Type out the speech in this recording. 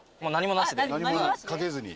何も掛けずに。